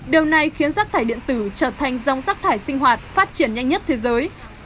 điều này khiến rác thải điện tử trở thành dòng rác thải sinh hoạt phát triển nhanh nhất thế giới